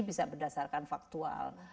bisa berdasarkan faktual